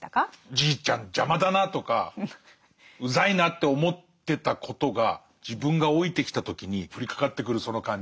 じいちゃん邪魔だなとかうざいなって思ってたことが自分が老いてきた時に降りかかってくるその感じ。